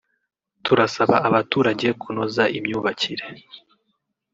turasaba abaturage kunoza imyubakire